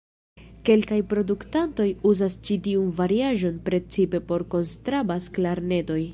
Kelkaj produktanto uzas ĉi tiun variaĵon precipe por konstrabas-klarnetoj.